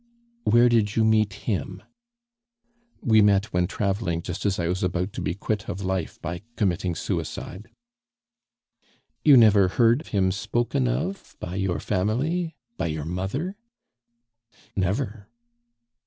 "Where did you meet him?" "We met when traveling, just as I was about to be quit of life by committing suicide." "You never heard him spoken of by your family by your mother?" "Never."